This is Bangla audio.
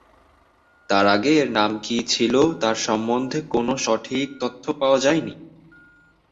তার আগে এর নাম কি ছিল তার সম্বন্ধে কোন সঠিক তথ্য পাওয়া যায়নি।